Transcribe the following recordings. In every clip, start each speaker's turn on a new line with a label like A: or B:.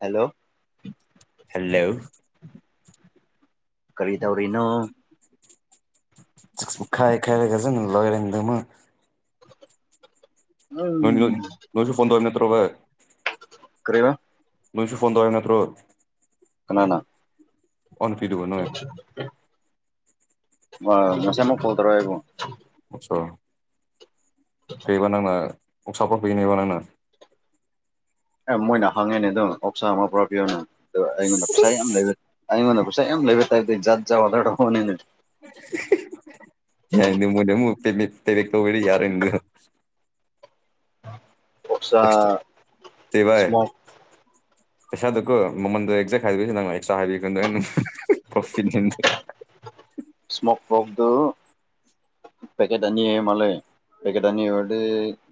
A: hello
B: hello
A: ꯀꯔꯤ ꯇꯧꯔꯤꯅꯣ
B: ꯆ ꯈꯥꯏ ꯈꯥꯏꯔꯀꯁꯨ ꯂꯒꯦꯔꯗꯃ
A: ꯎꯝ
B: ꯅꯣꯏꯁꯨ ꯐꯣꯟꯟ ꯇꯣꯅꯠꯇ꯭ꯔꯣꯕ
A: ꯀꯦꯕ
B: ꯂꯣꯏꯁꯨ ꯐꯣꯟ ꯇꯔ ꯅꯠꯇ꯭ꯔꯣ
A: ꯀꯅꯥꯅ
B: ꯑꯣ ꯅꯨꯄꯤꯗꯨꯕꯨ ꯅꯣꯏ
A: ꯑꯣ ꯃꯁ ꯑꯃꯛ ꯀꯣꯊꯔ ꯍꯥꯏꯕꯨ
B: ꯑꯆꯥ ꯀꯕ ꯅꯅꯥꯅ ꯑꯣꯛꯁꯥꯐ ꯀꯅꯦꯕ ꯅꯉꯥ
A: ꯑꯦ ꯃꯣꯏꯅ ꯍꯪꯉꯦꯅꯦ ꯑꯗꯨꯝ ꯑꯣꯞꯁꯥ ꯑꯃ ꯄꯨꯔꯥ ꯄꯤꯌꯅꯦ ꯑꯗꯣ ꯑꯩꯉꯣꯟꯗ ꯄꯩꯁꯥ ꯌꯥꯝ ꯂꯩꯕ ꯑꯩꯉꯣꯟꯗ ꯦꯝ ꯂꯩꯦꯕꯦ ꯇꯥꯏ ꯀ ꯌꯥꯖꯠꯖ ꯋꯥꯔ ꯋꯥꯅꯤꯅꯦ
B: ꯌꯥ ꯃꯅ ꯃ ꯄꯦꯃꯤ ꯇ ꯂꯩ ꯀꯕꯔ ꯌꯥꯔꯒꯣ
A: ꯑꯣꯛꯁꯥ
B: ꯑꯦꯁ ꯇꯕꯥ
A: ꯏꯁꯃꯣꯛ
B: ꯄꯩꯁꯥꯗꯨꯀꯣ ꯃꯃꯜꯗꯣ ꯑꯦꯛꯖꯦꯛ ꯍꯥꯏꯗꯁꯤ ꯅꯪ ꯑꯦꯛꯁꯇ꯭ꯔꯥ ꯍꯥꯏꯕꯤꯀꯗꯣ ꯑꯩꯅ ꯄ꯭ꯔꯣꯐꯤꯟ
A: ꯏꯁꯃꯣꯣꯛ ꯄꯣꯛꯗꯨ ꯄꯦꯀꯦꯠ ꯑꯅꯤ ꯃꯂꯦ ꯄꯦꯀꯦꯠ ꯑꯅꯤ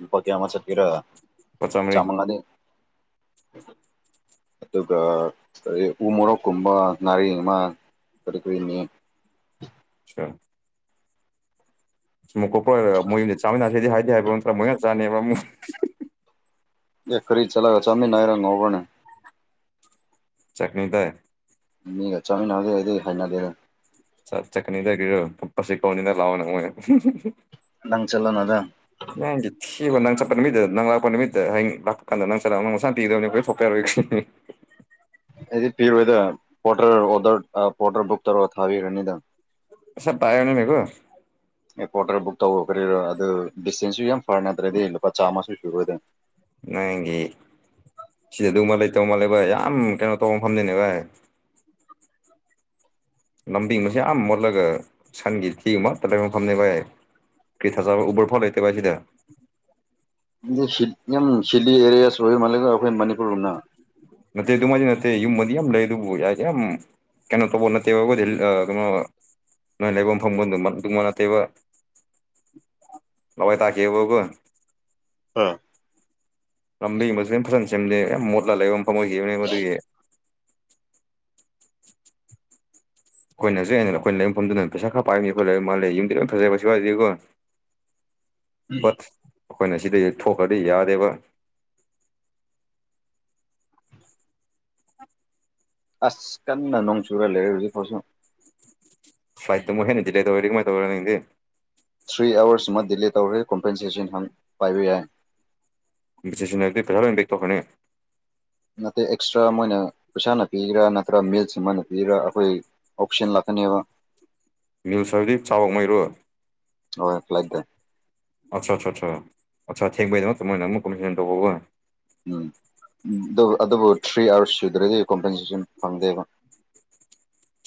A: ꯏꯄꯥ ꯀꯦ ꯑꯃꯃ ꯆ ꯀꯔ
B: ꯂꯨꯄꯥ ꯆꯥꯝꯃꯔꯤ
A: ꯆꯃꯜꯅꯥꯗ ꯑꯗꯨꯒ ꯎ ꯃꯣꯔꯣꯛꯀꯨꯝꯕ ꯉꯥꯔꯤ ꯑꯃ ꯀ ꯀꯅꯦ
B: ꯑꯟꯑꯣꯗꯤꯕꯜ ꯀꯣꯄ ꯃꯣꯏ ꯌꯨꯝꯁ ꯆꯥꯃꯤꯟꯅꯁꯤꯗꯤ ꯍꯥꯏꯗꯤ ꯍꯥꯏꯕ ꯅꯠꯇ꯭ꯔꯒ ꯃꯣꯏꯅ ꯆꯥꯅꯩꯕ ꯑꯃꯨꯛ
A: ꯑꯦ ꯈꯔꯤꯗ ꯆꯂꯒ ꯆꯃꯤꯅꯅꯥꯏꯔꯅ ꯋꯥꯕꯅꯦ
B: ꯆꯠꯅꯤ ꯇꯥꯏ
A: ꯃꯤꯒ ꯆꯥꯃꯤꯟꯅꯗꯦ ꯑꯩꯗꯤ ꯍꯥꯏꯅꯗꯦꯗ
B: ꯆꯥꯛ ꯆꯠꯀꯅꯤꯗꯔꯄꯁꯤ ꯀꯧꯅꯤꯗ ꯂꯥꯛꯑꯣ ꯅꯉꯣꯏ
A: ꯪ ꯆꯂꯅꯗ
B: ꯁꯤ ꯍꯣꯏ ꯅꯪ ꯆꯠꯄ ꯅꯨꯃꯤꯠꯇꯗ ꯅꯪ ꯂꯥꯛꯄ ꯅꯨꯃꯤꯠꯇ ꯍꯡ ꯂꯥꯛꯄ ꯀꯥꯟꯗ ꯅꯪ ꯆꯠꯂꯑꯣ ꯅꯪ ꯃꯁꯥ ꯇꯤꯒꯗꯧꯅꯤ ꯑꯩꯈꯣꯏ ꯐꯣꯛꯄꯦꯔꯣꯏꯅꯤ
A: ꯑꯟꯑꯣꯗꯤꯕꯜ ꯑꯩꯗꯤ ꯄꯤꯔꯣꯏꯗ ꯄꯣꯔꯗꯔ ꯑꯣꯗꯔ ꯄꯣꯔꯗꯔ ꯕꯨꯛ ꯇꯧꯔꯒ ꯊꯥꯕꯤꯈꯅꯤꯗ
B: ꯁꯞ ꯄꯌꯅꯦ ꯃꯦꯀ
A: ꯑꯦ ꯄꯣꯇꯔ ꯕꯨꯛ ꯇꯧꯕ ꯀꯔꯤꯔꯣ ꯑꯗꯨ ꯗꯤꯁꯇꯦꯟꯁꯁꯨ ꯌꯥꯝ ꯐꯔꯦ ꯅꯠꯇ꯭ꯔꯗꯤ ꯂꯨꯄꯥ ꯆꯥꯝꯃꯁꯨ ꯁꯨꯨꯔꯣꯏꯗꯅꯤ
B: ꯅꯒꯤ ꯁꯤꯗ ꯑꯗꯨ ꯃꯥꯜꯂ ꯇꯧ ꯃꯥꯜꯂꯦ ꯚꯥꯏ ꯌꯥꯝ ꯀꯩꯅꯣ ꯇꯧꯕ ꯐꯝꯅꯤꯅꯦ ꯚꯥꯏ ꯂꯝꯕꯤꯤꯡꯁ ꯌꯥꯝ ꯃꯣꯠꯂꯒ ꯁꯟꯒꯤ ꯊꯤ ꯑꯃ ꯇ ꯃꯐꯝꯅꯦ ꯚꯏ ꯀꯤ ꯊꯆꯥ ꯎꯕꯔ ꯐꯣꯂ ꯂꯩꯇꯦ ꯄꯁꯤꯗ
A: ꯁꯤꯗꯤ ꯑꯦꯔꯤꯌꯥꯁ ꯑꯣꯏ ꯃꯂꯒ ꯑꯩꯈꯣꯏ ꯃꯅꯤꯄꯨꯔꯅ
B: ꯅ ꯑꯗꯨꯨ ꯃꯥ ꯅ ꯌ ꯃ ꯌꯥꯝ ꯂꯩ ꯑꯗꯨ ꯌꯥꯔꯦ ꯌꯥꯝꯦꯝ ꯀꯩꯅꯣ ꯇꯕꯨꯣ ꯅ ꯀꯩꯅꯣ ꯅꯣꯏ ꯂꯩꯐꯝ ꯐꯪꯐꯝꯣꯟꯗꯨ ꯇꯉꯣꯟ ꯑꯅꯥꯇꯩꯩꯕ ꯂꯋꯥꯣꯏ ꯇꯥꯀꯤꯦꯕꯒ
A: ꯎꯝ
B: ꯂꯝꯕꯤ ꯃꯨ ꯂ ꯐꯖꯅ ꯁꯦꯝꯗꯦ ꯌꯥꯝ ꯃꯣꯠꯂꯒ ꯂꯩꯕ ꯃꯐꯝ ꯑꯣꯏꯈꯤꯕꯅꯦ ꯃꯗꯨꯒꯤ ꯑꯩꯈꯣꯏꯅꯁꯨ ꯑꯩꯅ ꯑꯩꯈꯣꯏ ꯂꯩꯕꯐꯝꯗꯨꯗꯅ ꯄꯩꯁꯥ ꯈꯔ ꯄꯥꯏꯕꯅꯤ ꯑꯩꯣꯏ ꯂꯩ ꯃꯥꯜꯂꯦ ꯌꯨꯝꯗꯤ ꯂꯣꯏ ꯐꯖꯔꯦ ꯀꯁꯨ ꯋꯥꯗꯦꯀꯣ
A: ꯑꯟꯑꯣꯗꯤꯕꯜ
B: ꯁ ꯑꯩꯈꯣꯏꯅ ꯁꯤꯗꯩ ꯊꯣꯛꯈ꯭ꯔꯗꯤ ꯌꯥꯗꯦꯕ
A: ꯑꯁ ꯀꯟꯅ ꯅꯣꯡꯆꯨꯔ ꯂꯩꯔ‌ꯦ ꯍꯧꯖꯤꯐꯥꯎꯁꯨ
B: ꯐꯂꯥꯏꯠꯇ ꯃꯦꯅꯤ [unintelligible] ꯗꯤꯂꯦ [inaudible] ꯇꯣꯔꯗꯤ ꯃ‌ꯣꯏ ꯇꯧꯔꯅꯦ
A: ꯊ꯭ꯔꯤ ꯑꯥꯋꯔꯁ ꯑꯃ ꯗꯤꯂꯦ ꯇꯧꯔꯦ ꯀꯣꯝꯄꯦꯟꯁꯦꯁꯟ ꯍꯞ ꯄꯥꯏꯕ ꯌꯥꯏ
B: [unintelligible] ꯇꯣꯛꯀꯅꯤ
A: ꯅꯠꯇꯦ ꯑꯦꯛꯁꯇ꯭ꯔꯥ ꯃꯣꯏꯅ ꯄꯩꯁꯥꯅ ꯄꯤꯒꯔꯥ ꯅꯠꯇ꯭ꯔꯒ ꯃꯤꯜꯁ ꯑꯣꯏꯅ ꯄꯤꯒꯔꯥ ꯑꯩꯈꯣꯏ ꯑꯣꯞꯁꯟ ꯂꯥꯛꯀꯅꯦꯕ
B: ꯅꯤꯜꯁꯔꯗꯤꯞ ꯆꯥꯎ ꯃꯩꯔꯣ
A: ꯑꯣ ꯂꯗ‌ꯦ
B: ꯑꯆꯥ ꯑꯆꯥ ꯑꯆꯥ ꯑ [inaudible]
A: ꯎꯝ ꯑꯗꯨꯕꯨ ꯊ꯭ꯔꯤ ꯑꯥꯋꯥꯔꯁ ꯁꯨꯗ꯭ꯔꯗꯤ ꯀꯣꯝꯄꯦꯟꯁꯦꯁꯟ ꯐꯪꯗꯦꯕ [inaudible]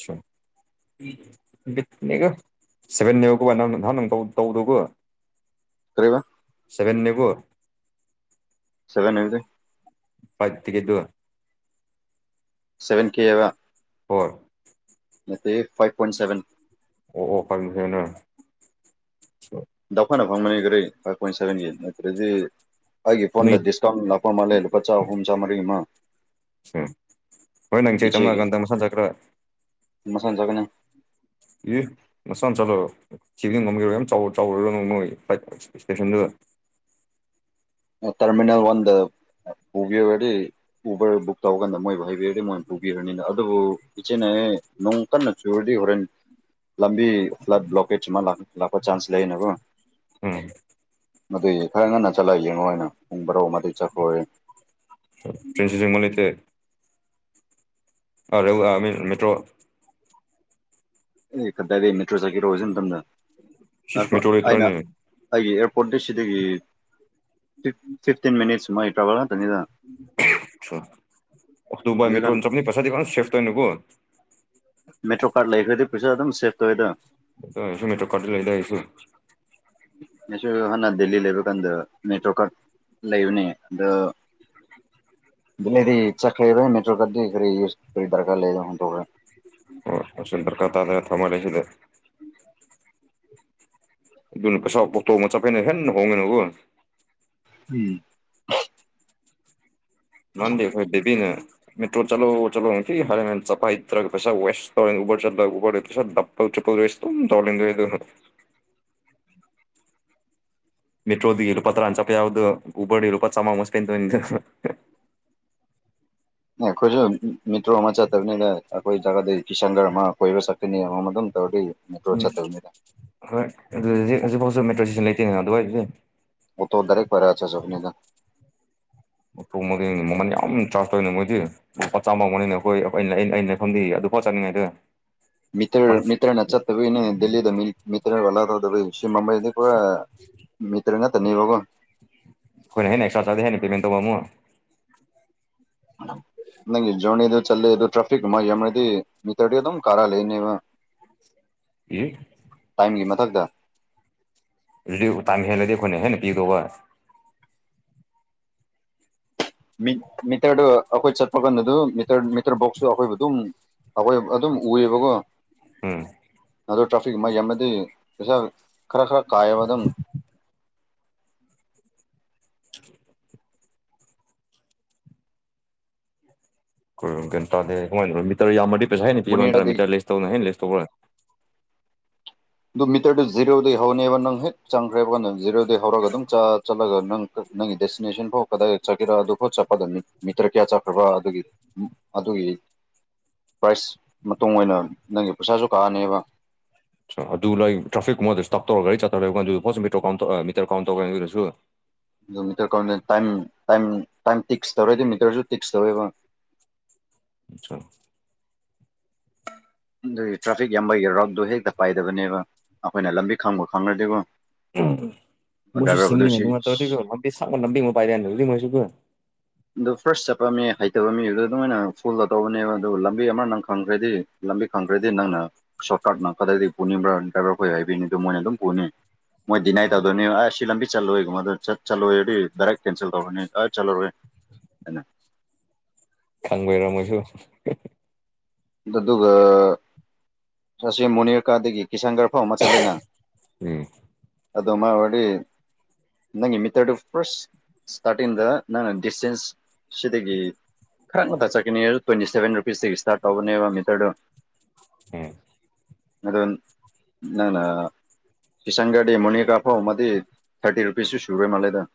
B: ꯁ‌ꯣ [unintelligible] ꯁꯤꯚꯦꯟ ꯅꯒ ꯅꯍꯟ ꯇꯧꯗꯒꯀ‌ꯣ
A: ꯀꯔꯤꯕ
B: ꯁꯚꯦꯟꯅꯦꯀ‌ꯣ
A: ꯁꯕꯦꯟ ꯑꯦꯝꯗꯤ
B: ꯄꯂꯥꯏꯠ ꯇꯤꯛꯀꯦꯠꯀꯤꯔꯥ
A: ꯁꯕꯦꯟ ꯀꯦꯕ
B: ꯍ‌ꯣ
A: ꯅꯠꯇ‌ꯦ ꯐꯥꯏꯚ ꯄꯣꯏꯟ ꯁꯚꯦꯟ
B: ꯑꯣ ꯑꯣ ꯐꯒꯤ [inaudible]
A: ꯗꯥꯎꯈꯅ ꯐꯪꯕꯅꯤ ꯀꯗꯩ ꯐꯥꯏꯚ ꯄꯣꯏꯟꯠ ꯁꯚꯦꯟꯒꯤ ꯅꯠꯇ꯭ꯔꯗꯤ ꯑꯩꯒꯤ
B: ꯅꯣꯏ
A: ꯐꯣꯟꯗ ꯗꯤꯁꯀꯥꯎꯟ ꯂꯥꯛꯄ ꯃꯥꯜꯂꯦ ꯂꯨꯄꯥ ꯆꯥꯛꯍꯨꯝ ꯆꯥꯝꯃꯔꯤ ꯑꯃ
B: ꯎꯝ ꯍꯣꯏ ꯅꯪ ꯁꯤ ꯆꯪꯉꯛꯀꯥꯟꯗ ꯃꯊꯪ ꯆꯠꯀꯔ
A: ꯃꯊꯟ ꯆꯠꯀꯅꯤ
B: ꯑꯦ ꯅꯆꯥ ꯅꯆꯥꯠꯂꯣ ꯆꯦꯡꯖ ꯉꯝꯕꯤꯔꯣ ꯌꯥꯝ ꯆꯥꯎ ꯆꯥꯎꯔꯔꯣ ꯅ ꯅꯣꯏ ꯐ꯭ꯂꯥꯏꯠ ꯏꯁꯇꯦꯁꯟꯗꯨꯗ
A: [unintelligible] ꯇꯔꯃꯤꯅꯦꯜ ꯋꯥꯟꯗ ꯑꯥ ꯄꯨꯕꯤꯔꯨꯔꯗꯤ ꯎꯕꯔ ꯕꯨꯛ ꯇꯧ ꯀꯥꯟꯗ ꯃꯣꯏꯕꯨ ꯍꯥꯏꯕꯤꯌꯨ ꯃꯣꯏ ꯄꯨꯕꯤꯔꯅꯤꯅ ꯑꯗꯨꯕꯨ ꯏꯆꯦꯅ ꯅ‌ꯣꯡ ꯀꯟꯅ ꯆꯨꯔꯗꯤ ꯍꯣꯔꯦꯟ ꯂꯝꯕꯤ ꯐ꯭ꯂꯠ ꯕ꯭ꯂꯣꯀꯦꯖ ꯑꯃ ꯂꯥꯛ ꯂꯥꯛꯄ ꯆꯥꯟꯁ ꯂꯩꯅꯀ‌ꯣ
B: ꯎꯝ
A: ꯑꯗꯨꯒꯤ ꯈꯔ ꯉꯟꯅ ꯆꯠꯂ ꯌ‌ꯦꯡ ꯅ ꯄꯨꯡ ꯚꯥꯔ‌ꯣ ꯑꯃꯗꯩ ꯆꯠꯈꯔ‌ꯣ
B: ꯐꯔꯤꯟꯁꯤ ꯖꯃꯜ ꯂꯩꯇꯦ ꯑꯔꯥ ꯌꯥꯝ ꯃꯤ ꯃꯦꯇ꯭ꯔꯣ
A: ꯑꯦ ꯗꯥꯏꯔꯦꯛ ꯃꯦꯇ꯭ꯔꯣ ꯆꯠꯈꯤꯔ‌ꯣ ꯍꯧꯖꯤꯟ ꯃꯇꯝꯗ
B: ꯏꯁ
A: ꯉꯥꯏꯈ‌ꯣ
B: ꯃꯦꯇ꯭ꯔꯣ
A: ꯑꯩꯅ
B: ꯂꯩꯇ꯭ꯔꯣꯅꯦ
A: ꯑꯩꯒꯤ ꯐꯝꯗ‌ꯣ ꯁꯤꯗꯒꯤ ꯐꯤꯐ ꯐꯤꯐꯇꯤꯟ ꯃꯤꯟꯅꯤꯠꯁ ꯁꯨꯝꯃꯥꯏ [unintelligible] ꯇ꯭ꯔ ꯈꯛꯇꯅꯤꯗ
B: ꯇꯗꯨꯕꯏ ꯃꯦꯇ꯭ꯔꯣ ꯆꯠꯄꯅꯤ ꯄꯩꯁꯥꯗꯤ ꯐꯖꯅ ꯁꯦꯐ ꯇꯧꯅꯕꯨ
A: ꯃꯦꯇ꯭ꯔꯣ ꯀꯥꯔꯗ ꯂꯩꯈ꯭ꯔꯗꯤ ꯄꯩꯁꯥ ꯑꯗꯨꯝ ꯁꯦꯞ ꯇꯧꯋꯦꯗꯣ
B: ꯁꯨ ꯃꯣꯇꯔ‌ꯣ ꯀꯥꯔꯠꯇꯤ ꯂꯩꯗ ꯑꯩꯁꯨ
A: ꯅꯁꯨ ꯍꯥꯟꯅ ꯗꯦꯜꯂꯤ ꯂꯩꯕ ꯀꯥꯟꯗ ꯃꯦꯇ꯭ꯔꯣ ꯀꯠ ꯂꯩꯕꯅꯦ ꯑꯗ ꯗ‌ꯦꯜꯂꯤꯗꯤ ꯆꯠꯈ꯭ꯔꯦꯅ ꯃꯦꯇ꯭ꯔꯣꯒꯗꯤ ꯀꯔꯤ ꯀꯔꯤ ꯗꯔꯀꯥꯔ ꯂꯩ ꯍꯨꯟꯗꯣꯛꯈ꯭ꯔꯦ
B: ꯑꯣꯁ ꯗꯔꯀꯥ ꯇꯥꯗ [unintelligible] ꯁꯤꯗ ꯑꯗꯨꯅ ꯄꯩꯁꯥ ꯇꯣꯡ ꯆꯠꯄꯅ‌ꯦ ꯍꯦꯟꯅ ꯍꯣꯡꯅꯀ‌ꯣ
A: ꯎꯝ
B: ꯃꯥꯟꯗꯤ ꯈꯣꯏ ꯗꯦꯕꯤꯅꯦ ꯃꯦꯇ꯭ꯔꯣ ꯆꯠꯂꯣ ꯆꯠꯂꯣ ꯍꯥꯏꯔ ꯆꯠꯄ ꯍꯩꯇꯔꯒ [inaudible] [unintelligible] [unintelligible] ꯇꯧ ꯂꯩ
A: [unintelligible]
B: ꯃꯦꯇ꯭ꯔꯣꯗꯤ ꯂꯨꯄꯥ ꯇꯥꯔꯥ ꯆꯠꯄ ꯌꯥꯕꯗꯣ ꯎꯕꯔꯗꯤ ꯂꯨꯄꯥ ꯆꯥꯝꯉꯥ ꯑꯃꯨꯛ ꯏꯁꯄ‌ꯦꯟ ꯇꯧꯔꯅꯤꯗ
A: [unintelligible] ꯈꯣꯏꯁꯨ ꯃꯠꯇ꯭ꯔꯣ ꯑꯃ ꯆꯠꯇꯅꯤ ꯑꯩꯈꯣꯏ ꯖꯒꯥꯗꯤ ꯀꯤꯁꯟꯒꯔ ꯑꯃ ꯀꯣꯏꯕ ꯁꯛꯀꯅꯤ ꯑꯃꯃ ꯑꯗꯨꯝ ꯇꯧꯔꯔꯤ
B: ꯎꯝ ꯍꯣꯏ ꯑꯗꯨ ꯍꯧꯖꯤꯛ ꯍꯧꯖꯤꯛꯐꯥꯎꯁꯨ ꯃꯦꯇ꯭ꯔꯣ ꯏꯁꯇꯦꯁꯟ ꯂꯩꯇꯦꯅꯤꯅ ꯑꯗꯨꯋꯥꯏꯁꯦ
A: ꯑꯣ ꯇ ꯗꯔꯦꯛ ꯐꯔꯦꯁ ꯁꯈꯅꯤꯗ
B: ꯃꯨꯡ ꯃꯃꯟ ꯌꯥꯝ ꯆꯥꯔꯖ ꯇꯧꯔꯤꯅꯦ ꯃꯣꯏꯗꯤ ꯂꯨꯄꯥ ꯆꯥꯃ ꯃꯅꯦ ꯑꯩꯈꯣꯏ ꯑꯩꯅ ꯑꯩꯅ ꯑꯩꯅ ꯐꯝꯗꯤ ꯄꯣ ꯆꯆꯅꯤꯡꯉꯥꯏꯗ
A: ꯇ ꯃꯤꯇ꯭ꯔꯅ ꯆꯠꯇꯕꯤꯅꯦ ꯗꯦꯜꯂꯤꯗ ꯃꯤꯇ꯭ꯔ ꯋꯥꯂꯥ ꯇꯧꯗꯕꯤ ꯁꯤ ꯃꯨꯝꯕꯥꯏꯗ ꯄꯨꯔ ꯃꯤꯤꯇ꯭ꯔ ꯅꯠꯇꯅꯤꯕꯒꯣ
B: ꯑꯩꯣꯏ ꯑꯦꯛꯁꯇ꯭ꯔ ꯆꯥꯖ ꯍꯥꯏꯦꯅꯤ ꯄꯦꯃꯦꯟ ꯋꯥꯃ
A: ꯅꯪꯖꯣꯟꯅꯤ ꯑꯗꯨ ꯆꯠꯂꯦ ꯑꯗꯨꯣ ꯇ꯭ꯔꯥꯐꯤꯛ ꯃꯩꯝꯅꯗꯤ ꯃꯤꯇꯔꯗꯤ ꯑꯗꯨꯝ ꯀꯥꯔꯥ ꯂꯩꯅꯦꯕ
B: ꯌꯦ
A: ꯑꯝꯒꯤ ꯃꯊꯛꯇ
B: ꯔꯗꯤ ꯇꯥꯡ ꯍꯦꯜꯂꯗꯤ ꯑꯩꯈꯣꯏꯅ ꯍꯦꯟꯅ ꯄꯤꯗꯧꯕ
A: ꯃꯤꯇꯔꯗꯨ ꯑꯩꯈꯣꯏ ꯆꯠꯄ ꯀꯥꯟꯗ ꯑꯗꯨ ꯃꯤꯇꯔ ꯃꯤꯇꯔ ꯕꯣꯛꯁꯨ ꯑꯩꯈꯣꯏꯕꯨ ꯑꯗꯨꯝ ꯑꯩꯈꯣꯏ ꯑꯗꯨꯝ ꯎꯑꯕꯀꯣ
B: ꯎꯝ
A: ꯑꯗꯨ ꯇ꯭ꯔꯥꯐꯤꯛ ꯃꯩ ꯑꯃꯗꯤ ꯄꯩꯁꯥ ꯈꯔ ꯈꯔ ꯀꯥꯏꯑꯕ ꯑꯗꯨꯪ
B: ꯩꯅ ꯃꯤꯇꯔ ꯌꯥꯝꯃꯗꯤ ꯄꯩꯁꯥ ꯍꯥꯏꯅ ꯄꯤꯕ ꯅꯠꯇ꯭ꯔꯥ
A: ꯕꯣꯅꯦꯔꯗꯒꯤ
B: ꯃꯤꯇꯔ ꯂꯤꯁ ꯇꯧꯅ ꯍꯥꯏꯁ ꯇ
A: ꯑꯗꯨ ꯃꯤꯇꯔꯗꯨ ꯖꯤꯔꯣꯗꯒꯤꯩ ꯍꯧꯅꯦꯕ ꯅꯪ ꯍꯦꯛ ꯆꯪꯈ꯭ꯔꯦꯕ ꯀꯥꯟꯗꯪ ꯖꯤꯔꯣꯗꯒꯤꯩ ꯍꯧꯔꯒ ꯑꯗꯨꯝ ꯆ ꯆꯠꯂꯒ ꯅꯪ ꯅꯪꯒꯤ ꯗꯦꯁꯇꯤꯅꯦꯁꯟ ꯐꯥꯎ ꯀꯗꯥꯏ ꯆꯠꯔꯥ ꯑꯗꯨꯐꯥꯎ ꯆꯠꯄꯗ ꯃꯤꯇꯔ ꯀꯌꯥ ꯆꯠꯈ꯭ꯔꯕ ꯑꯗꯨꯒꯤ ꯑꯗꯨꯒꯤ ꯄ꯭ꯔꯥꯏꯁ ꯃꯇꯨꯡ ꯑꯣꯏꯅ ꯅꯪꯒꯤ ꯄꯩꯁꯥꯁꯨ ꯀꯛꯑꯅꯦꯕ
B: ꯑ ꯑꯗꯨ ꯂꯥꯏ ꯇ꯭ꯔꯥꯐꯤꯛꯀꯨꯝꯕꯗꯁꯨ ꯇꯞ ꯇꯧꯔ ꯒꯥꯔꯤ ꯆꯠꯠꯇꯔꯣꯏꯕꯣ ꯑꯗꯨ ꯄꯣꯠꯁꯨ ꯃꯤꯇꯔ ꯀꯥꯎꯟ ꯃꯤꯇꯔ ꯀꯥꯎꯟ ꯇꯧꯒꯦ ꯑꯗꯨꯗꯁꯨ
A: ꯑꯗꯨ ꯃꯤꯇꯔ ꯀꯔꯝꯗ ꯇꯥꯏꯝ ꯇꯥꯏꯝ ꯇꯥꯏꯝ ꯇꯤꯛꯁ ꯇꯧꯔꯗꯤ ꯃꯤꯇꯔꯁꯨ ꯇꯤꯛꯁ ꯇꯧꯋꯦꯕ
B: ꯑꯆꯥ
A: ꯑꯗꯨꯒꯤ ꯇ꯭ꯔꯥꯐꯤꯛ ꯌꯥꯝꯕꯩꯒꯤ ꯔꯠꯇꯣ ꯍꯦꯛꯇ ꯄꯥꯏꯗꯕꯅꯦꯕ ꯑꯩꯈꯣꯏꯅ ꯂꯝꯕꯤ ꯈꯪꯕ ꯈꯪꯅꯗꯤꯕꯨ
B: ꯎꯗ ꯃꯣꯏꯁꯨ ꯁꯤꯁꯤꯡ ꯅ ꯂꯝ ꯂꯝ ꯄꯥꯏ ꯃꯣꯏ ꯀ
A: ꯑꯗꯨ ꯐꯥꯔꯁ ꯆꯠꯄ ꯃꯤ ꯍꯩꯇꯕ ꯃꯤꯗꯨꯗ ꯑꯗꯨꯃꯥꯏꯅ ꯐꯨꯜꯗ ꯇꯧꯕꯅꯦꯕ ꯑꯗꯨ ꯂꯝꯕꯤ ꯑꯃ ꯅꯪ ꯈꯪꯈ꯭ꯔꯗꯤ ꯈꯕꯤ ꯈꯪꯈ꯭ꯔꯗꯤ ꯅꯪꯅ ꯁꯣꯔꯠꯀꯥꯠꯅ ꯈꯛꯇꯗꯤ ꯄꯨꯅꯤꯡꯕ꯭ꯔꯥ ꯗ꯭ꯔꯥꯏꯚꯔ ꯑꯩꯈꯣꯏ ꯍꯥꯏꯕꯤꯅꯤ ꯑꯗꯨ ꯃꯣꯏꯅ ꯑꯗꯨꯝ ꯄꯨꯅꯤ ꯃꯣꯏ ꯗꯤꯅꯥꯏ ꯇꯧꯗꯣꯏꯅꯤ ꯑ ꯁꯤ ꯂꯝꯕꯤ ꯆꯠꯂꯨꯔꯣꯏꯦꯨꯝꯕꯗ ꯆꯠ ꯆꯠꯂꯨꯔꯦꯗꯤ ꯗꯥꯔꯛ ꯀꯦꯟꯁꯦꯜ ꯇꯧꯔꯅꯤ ꯑ ꯆꯠꯂꯨꯔꯣꯏ ꯍꯅ
B: ꯁꯪꯕꯩꯔꯃꯣꯁꯨ
A: ꯑꯗꯨꯗꯨ ꯆꯁꯦ ꯃꯨꯅꯤꯔꯀꯥꯗꯒꯤ ꯀꯤꯁꯥꯟꯒꯔ ꯐꯥꯎ ꯑꯃ ꯆꯠꯂꯤꯅ
B: ꯎꯝ
A: ꯑꯗꯣ ꯃꯥꯥꯏ ꯑꯣꯏꯗꯤ ꯅꯪꯒꯤ ꯃꯤꯇꯔꯗꯨ ꯐꯥꯔꯁ ꯏꯁꯇꯥꯔꯇꯤꯡꯗ ꯅꯪꯅ ꯗꯤꯁꯇꯦꯟꯁ ꯁꯤꯗꯒꯤ ꯈꯔ ꯉꯊ ꯆꯠꯀꯅꯤ ꯑꯗꯨ ꯇ꯭ꯋꯦꯟꯇꯤ ꯁꯕꯦꯟ ꯔꯨꯄꯤꯁꯇꯒꯤ ꯏꯁꯇꯥꯔꯠ ꯇꯧꯕꯅꯦꯕ ꯃꯤꯇꯔꯗꯨꯣ
B: ꯎꯝ
A: ꯑꯗꯨꯣ ꯅꯪꯅ ꯀꯤꯁꯥꯟ ꯒꯥꯗꯤ ꯃꯣꯅꯤ ꯀꯥꯐꯧ ꯑꯃꯗꯤ ꯊꯥꯔꯇꯤ ꯔꯨꯄꯤꯁꯁꯨ ꯁꯨꯨꯔꯦ ꯃꯥꯜꯂꯦꯗ [unintelligible]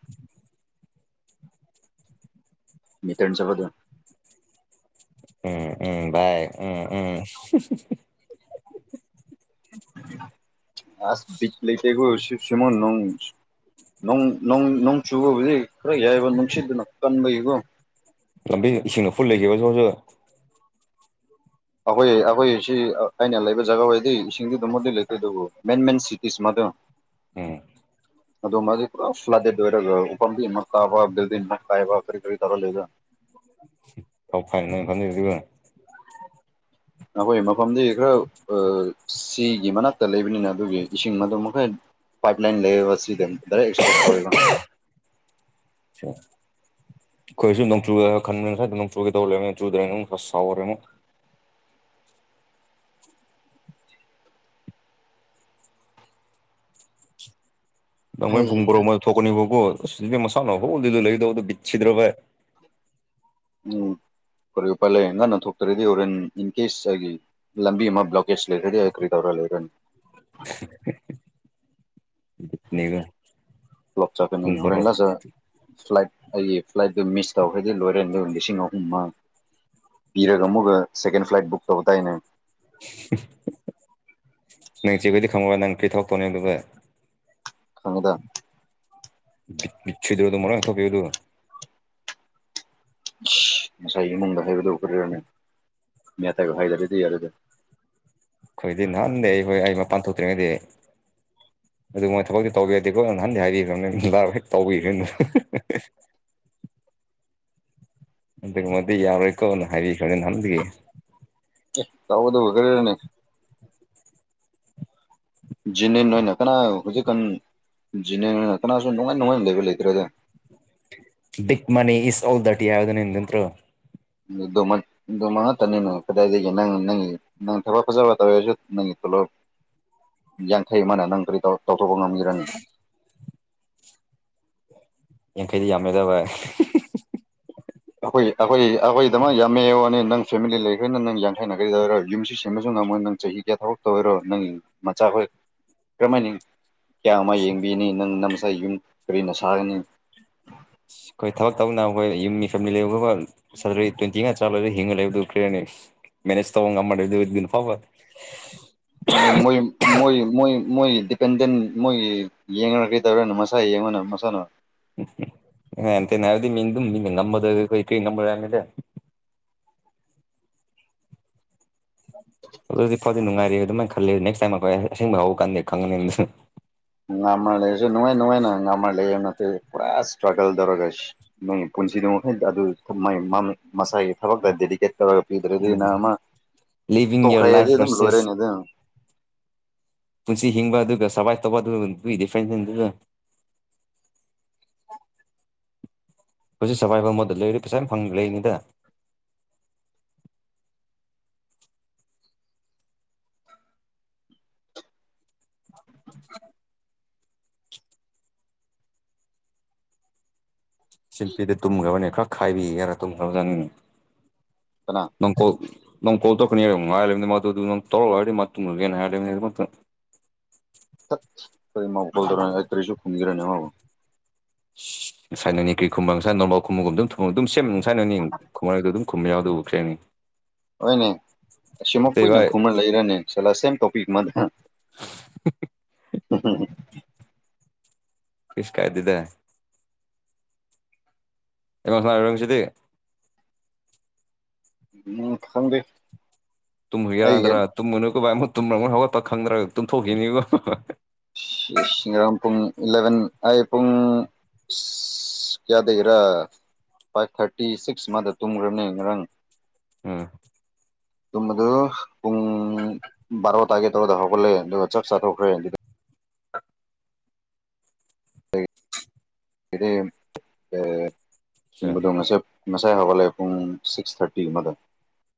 A: ꯃꯤꯇꯆ ꯃꯗꯨꯣ
B: ꯎꯝ ꯎꯝ ꯚꯥꯏ ꯎꯝ ꯎꯝ
A: ꯑꯁ ꯕꯤꯠ ꯂꯩꯇꯦꯀꯣ ꯁꯤ ꯁꯃꯣꯟ ꯂꯣꯡ ꯅꯣꯡ ꯅꯣꯡ ꯅꯣꯡ ꯆꯨꯕ ꯍꯧꯖꯤꯛ ꯈꯔ ꯌꯥꯏꯕ ꯅꯨꯡꯁꯤꯠꯇꯅ ꯀꯟꯕꯒꯤꯀꯣ
B: ꯂꯝꯕꯤ ꯏꯁꯤꯡꯅ ꯐꯨꯜ ꯂꯩꯈꯤꯕꯁꯨ ꯍꯧꯁꯨ
A: ꯑꯩꯈꯣꯏ ꯑꯩꯈꯣꯏ ꯁꯤ ꯑꯩꯅ ꯂꯩꯕ ꯖꯒꯥ ꯑꯣꯏꯗꯤ ꯏꯁꯤꯡꯗꯤ ꯑꯗꯨꯝꯃꯗꯤ ꯂꯩꯇꯦ ꯑꯗꯨꯕꯨ ꯃꯦꯟ ꯃꯦꯟ ꯁꯤꯇꯤꯁꯃ ꯗꯣ
B: ꯎꯝ
A: ꯑꯗꯨ ꯃꯥꯒꯤ ꯄꯨ ꯐ꯭ꯂꯗꯦꯗ ꯑꯣꯏꯔꯒ ꯎꯝꯕꯤ ꯇꯥꯕ ꯀꯥꯏꯕ ꯀꯔꯤ ꯀꯔꯤ ꯇꯥꯔ ꯂꯩꯦꯒ
B: ꯐꯥꯎ ꯐꯥꯏ ꯅꯪ ꯈꯪꯗꯕ
A: ꯑꯩꯈꯣꯏ ꯃꯐꯝꯗꯤ ꯈꯔ ꯁꯤꯒꯤ ꯃꯅꯥꯛꯇ ꯂꯩꯕꯅꯤꯅ ꯑꯗꯨꯒꯤ ꯏꯁꯤꯡ ꯑꯗꯨ ꯃꯈꯔ ꯄꯥꯏꯠ ꯂꯥꯏꯟ ꯂꯩ ꯄ ꯗꯔ ꯑꯦꯁꯄꯣꯁ
B: ꯀꯣꯏꯁꯨ ꯅꯪ ꯆ ꯈꯟꯕ ꯅꯪ ꯆꯒ ꯇꯧꯔ ꯆꯗꯦ ꯐ ꯁꯥꯎꯔꯦ ꯅꯪꯣꯏ ꯐꯨꯡꯕ꯭ꯔꯣ
A: ꯎꯝ
B: ꯃ ꯊꯣꯅꯤꯕꯣ ꯃꯁꯥꯅꯣ ꯍ ꯂ ꯂꯣꯏꯗꯗꯨ ꯕꯤꯁꯤꯗ꯭ꯔꯣꯚꯥꯏ
A: ꯎꯝ ꯀꯔꯤ ꯎꯄꯥ ꯂꯌꯦꯟ ꯉꯟꯅ ꯊꯣꯛꯇꯔꯗꯤ ꯑꯣꯔ ꯏꯟ ꯏꯟ ꯀꯦꯁ ꯑꯩꯒꯤ ꯂꯝꯕꯤ ꯑꯃ ꯕ꯭ꯂꯣꯀꯦꯁ ꯂꯩꯔꯗꯤ ꯑꯩ ꯀꯔꯤ ꯇꯧꯔꯒꯦ ꯔꯅꯤ
B: ꯕ
A: ꯀ꯭ꯂ꯭ꯂꯞ ꯆꯒꯦ ꯅꯅꯤ ꯍꯣꯔꯦꯟ ꯂꯁ ꯐ꯭ꯂꯥꯏꯠ ꯑꯩꯒꯤ ꯐ꯭ꯂꯥꯏꯠꯇꯣ ꯃꯤꯁ ꯇꯧꯈꯗꯤ ꯂꯣꯏꯔꯦꯅꯤ ꯑꯗꯨ ꯂꯤꯁꯤꯡ ꯑꯍꯨꯝ ꯃ ꯄꯤꯔꯒ ꯑꯃꯨꯛꯒ ꯁꯦꯀꯦꯟ ꯐ꯭ꯂꯥꯏꯠ ꯕꯨꯛ ꯇꯧꯕ ꯇꯏꯅꯦ
B: ꯅꯪ ꯆꯦꯈꯗꯤ ꯈꯪꯉ ꯅꯪ ꯀ꯭ꯔꯤ ꯊꯣꯛꯛꯇꯣꯅꯦ ꯑꯗꯨꯒ
A: ꯈꯪꯉꯗ
B: ꯗ꯭ꯔ ꯃꯔ ꯊꯣꯛ ꯀꯌ ꯇ
A: ꯉꯁꯥꯏꯒꯤ ꯏꯃꯨꯡꯗ ꯍꯥꯏꯕꯗꯧ ꯈꯔꯔꯃꯤ ꯃꯤ ꯑꯊꯒ ꯍꯥꯏꯖꯔꯗꯤ ꯌꯥꯔꯗꯤ
B: ꯅꯥꯟꯅꯦ ꯑꯩ ꯍꯣꯏ ꯑꯩꯃ ꯄꯥꯟꯊꯣꯛꯇ꯭ꯔꯤꯉꯩꯗꯤ
A: [inaudible]
B: ꯑꯗꯨ ꯃꯣꯏ ꯊꯕꯛꯇꯤ ꯇꯧꯕꯤꯔꯗꯤꯀꯣ ꯅꯍꯥꯟꯗꯤ ꯍꯥꯏꯕꯤꯈ꯭ꯔꯕꯅꯤꯗꯥ ꯍꯦꯛ ꯇꯧꯕꯤꯈꯣꯏꯅꯣ
A: [inaudible]
B: ꯑꯗꯨ ꯃ ꯌꯥꯎꯀꯣ ꯍꯔꯤ ꯈꯦ ꯅꯪꯒꯤ
A: ꯇꯥꯎꯗ ꯒꯔꯦ ꯅ ꯖꯤꯅꯤꯟ ꯍꯣꯏꯅꯥ ꯈꯔ ꯍꯧꯖꯤꯛꯀꯥꯟ ꯖꯤꯅꯦ ꯀꯅꯥꯁꯨ ꯅꯨꯡꯉꯥꯏ ꯅꯨꯡꯉꯥꯏꯅ ꯂꯩꯕ ꯂꯩꯇ꯭ꯔꯦꯗ
B: ꯕꯤꯛ ꯃꯅꯤ ꯏꯁ ꯑꯣꯜ ꯗꯔꯇꯤ ꯅꯠꯇꯔꯣ
A: ꯑꯗꯨꯃ ꯉꯇꯅꯤꯅꯣ ꯀꯗꯥꯏꯗꯒꯤꯒꯦ ꯅꯪ ꯅꯪꯒꯤ ꯅꯪ ꯊꯕꯛ ꯐꯖꯕ ꯇꯧꯋꯔꯁꯨ ꯅꯪ ꯄꯨꯂꯞ ꯌꯥꯡꯈꯩ ꯑꯃꯅ ꯅꯪ ꯀꯔꯤ ꯇꯧꯊꯣꯛꯄ ꯉꯝꯈꯤꯔꯅꯤ
B: ꯌꯥꯡꯈꯩꯗꯤ ꯌꯥꯝꯃꯦꯗꯕ
A: ꯑꯩꯈꯣꯏ ꯑꯩꯈꯣꯏ ꯑꯩꯈꯣꯏꯗꯃꯛ ꯌꯥꯝꯃꯦꯣꯅꯤ ꯅꯪ ꯐꯦꯃꯤꯂꯤ ꯂꯩꯈ꯭ꯔꯦꯅ ꯅꯪ ꯌꯥꯡꯈꯩꯅꯈ꯭ꯔꯔ ꯌꯨꯝꯁꯤ ꯁꯦꯝꯕꯁꯨ ꯃꯣꯏ ꯅꯪ ꯆꯍꯤ ꯀꯌꯥ ꯊꯕꯛ ꯇꯧꯤꯔꯣ ꯅꯪ ꯃꯆꯥꯈꯣꯏ ꯀꯔꯝꯍ ꯍꯥꯏꯅꯤꯡꯉꯤ ꯀꯌꯥ ꯑꯃ ꯌꯦꯡꯕꯤꯅꯤ ꯅꯪ ꯅꯁꯥꯏ ꯌꯨꯝ ꯀꯔꯤꯅ ꯁꯥꯒꯅꯤ
B: ꯑ ꯑꯩꯈꯣꯏ ꯊꯕꯛ ꯇꯧꯅ ꯑꯩꯈꯣꯏ ꯌꯨꯝ ꯃꯤꯐꯝ ꯃꯤ ꯂꯩꯕꯒ ꯁꯇꯔꯤ ꯇ꯭ꯋꯦꯟꯇꯤ ꯉꯥ ꯆꯥꯂꯣꯏꯔ ꯍꯤꯡꯉ ꯂꯩꯕꯗꯨ ꯈ꯭ꯔꯦꯔꯅꯤꯁ ꯃꯦꯅꯦꯁ ꯇ ꯉ ꯃꯗꯅꯤ ꯐꯥꯕ
A: ꯃ ꯃ ꯃꯣꯏ ꯃꯣꯏꯒꯤ ꯗꯤꯄꯦꯟꯗꯦꯟ ꯃꯣꯏꯒꯤ ꯌꯦꯡꯉꯒ ꯀꯩ ꯇꯧꯔꯅꯣ ꯃꯁꯥ ꯌꯦꯡꯉꯅ ꯃꯁꯥꯅ
B: ꯦꯅꯦ ꯍꯥꯏꯗꯤ ꯅꯝꯕꯗ ꯀ ꯀ ꯅꯝꯕ ꯑꯗꯨꯗꯤ ꯐꯥꯎꯗꯤ ꯅꯨꯡꯉꯥꯏꯔ ꯑꯗꯨꯃꯥꯏꯅ ꯈꯜꯂꯤ ꯅꯦꯛꯁ ꯇꯥꯏꯝ ꯑꯩꯈꯣꯏ ꯑꯁꯦꯡꯕ ꯍꯧꯀꯥꯟꯗꯦ ꯈꯪꯉꯅꯤ ꯑꯗꯨꯅ
A: ꯉꯥ ꯃ ꯂꯩꯁꯨ ꯅꯨꯡꯉꯥꯏ ꯅꯨꯡꯉꯥꯏꯅ ꯉꯥꯡꯃ ꯂꯩꯌꯦ ꯌꯥꯝꯅ ꯐ ꯄꯨꯔꯥ ꯏꯁꯇ꯭ꯔꯒꯜ ꯇꯧꯔꯒ ꯅꯣꯏ ꯄꯨꯟꯁꯤꯗꯨ ꯃꯈꯩ ꯑꯗꯨ ꯃꯁꯥꯒꯤ ꯊꯕꯛꯇ ꯗꯦꯗꯤꯀꯦꯠ ꯇꯔꯒ ꯄꯤꯗ꯭ꯔꯗꯤ ꯅ ꯑꯃ
B: ꯂꯤꯕꯤꯡ ꯌꯣꯔ
A: ꯇꯣꯛꯈꯩꯔꯗꯤ
B: ꯂꯥꯏꯐ
A: ꯑꯗꯨꯝ
B: ꯚꯔꯁꯦꯁ
A: ꯂꯣꯏꯔꯛꯏꯅꯤ ꯑꯗꯨ
B: ꯄꯨꯟꯁꯤ ꯍꯤꯡꯕ ꯑꯗꯨꯒ ꯁꯕꯥꯏ ꯇꯧꯕ ꯑꯗꯨꯒꯏ ꯗꯤꯐ꯭ꯔꯦꯟꯁ ꯍꯧꯖꯤꯛ ꯁꯐꯥꯏꯕ ꯑꯃꯗ ꯂꯩꯔꯤ ꯄꯩꯁꯥ ꯌꯥꯝ ꯐꯪ ꯂꯩꯔꯤꯅꯤꯗ [unintelligible] [inaudible] ꯁꯤꯟꯄꯤꯗ ꯇꯨꯝꯈ꯭ꯔꯕꯅꯦ ꯈꯔ ꯈꯥꯏꯕꯤ ꯈꯔꯥ ꯇꯨꯝꯈ꯭ꯔꯕꯖꯥꯅꯤ
A: ꯀꯅꯥ
B: ꯅꯪ ꯀꯣ ꯅꯪ ꯀꯣꯜ ꯇ ꯀꯅꯤ ꯑꯗꯨ ꯇꯧꯣ
A: ꯁꯠ ꯀꯔꯤ ꯃꯥꯎꯧꯗꯔ ꯀꯔꯤꯁꯨ ꯈꯨꯝꯒꯔꯦꯅꯦꯉꯣ
B: ꯁꯥꯏꯅꯅꯤ ꯀꯔꯤ ꯈꯨꯝꯕꯪ ꯉꯁꯥꯏ ꯅꯣꯔꯕꯥꯜ ꯈꯨꯝꯕꯒꯨꯝ ꯑꯗꯨꯝ ꯊ ꯑꯗꯨꯝ ꯁꯦꯝ ꯁꯥꯏꯅꯅꯤ ꯈꯃꯗꯣ ꯑꯗꯨꯝ ꯈꯨꯝ ꯌꯥꯎꯗ ꯎꯈ꯭ꯔꯦꯅꯤ
A: ꯍꯣꯏꯅꯦ ꯁꯤꯃꯛ
B: ꯑꯇꯩ
A: ꯀꯨꯏꯅ
B: ꯚꯥꯏ
A: ꯈꯨꯃꯔ ꯂꯩꯔꯅꯦ ꯆꯂ ꯁꯦꯝ ꯇꯣꯄꯤꯛ ꯃ ꯎ [unintelligible] [inaudible]
B: ꯏꯁ ꯀꯥꯏꯗꯗꯦ ꯑꯦꯃ ꯁꯔꯝꯁꯤꯗꯤ
A: ꯎꯝ ꯊꯝꯕꯤ
B: ꯇꯨꯝꯍꯨ ꯌꯥꯔꯗ꯭ꯔꯥ ꯇꯨꯝꯃꯨꯅꯀꯣꯚꯕꯥ ꯑꯃꯨꯛ ꯇꯨꯝꯔ ꯃꯣꯏ ꯍꯧꯒꯠꯄ ꯈꯪꯗ꯭ꯔꯒ ꯇꯨꯝꯊꯣꯛꯈꯤꯅꯤꯀꯣ
A: ꯔꯝ ꯄꯨꯡ ꯏꯂꯕꯦꯟ ꯑꯩ ꯄꯨꯡ ꯀꯌꯥ ꯗꯈꯔꯥ ꯐꯥꯏꯚ ꯊꯥꯔꯇꯤ ꯁꯤꯛꯁ ꯃꯥꯗ ꯇꯨꯝꯈ꯭ꯔꯕꯅꯦ ꯉꯔꯪ
B: ꯑ [unintelligible] [inaudible]
A: ꯑꯗꯨꯨꯝ ꯑꯗꯨ ꯄꯨꯡ ꯕꯥꯔꯣ ꯇꯥꯒꯦ ꯇꯧꯔꯗ ꯍꯧꯒꯠꯂꯦ ꯑꯗꯨꯒ ꯆꯞ ꯆꯥꯊꯣꯛꯈ꯭ꯔꯦ ꯑꯗꯨ ꯏꯗꯤ ꯆꯨꯝꯕꯨꯗꯣꯡꯁꯦ ꯉꯁꯥꯏ ꯍꯋꯥꯠꯂꯛꯑꯦ ꯄꯨꯡ ꯁꯤꯛꯁ ꯊꯥꯔꯇꯤꯒꯨꯝ ꯑꯃꯗ